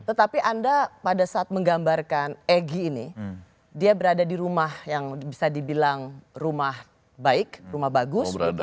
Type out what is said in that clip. tetapi anda pada saat menggambarkan egy ini dia berada di rumah yang bisa dibilang rumah baik rumah bagus